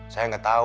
saya gak tau